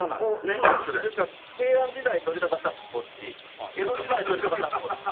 ですから平安時代撮りたかったらこっち江戸時代撮りたかったらこっち。